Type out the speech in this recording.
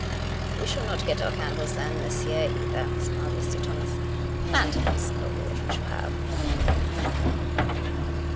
" We shall not get our candles then, this year either," smiled Mr. Thomas. " Lanterns are all that we shall have."